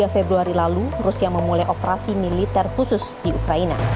tiga februari lalu rusia memulai operasi militer khusus di ukraina